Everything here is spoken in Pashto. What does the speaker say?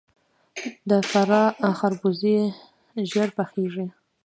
د فراه خربوزې ژر پخیږي.